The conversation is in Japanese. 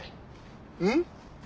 うん？